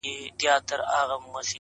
زه قلندر یم په یوه قبله باور لرمه٫